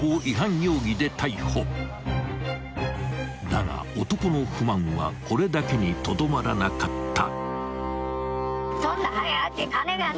［だが男の不満はこれだけにとどまらなかった］